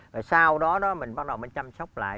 rồi sau đó đó mình bắt đầu mới chăm sóc lại